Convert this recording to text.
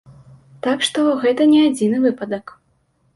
Так што гэта не адзіны выпадак.